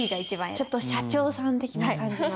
ちょっと社長さん的な感じの。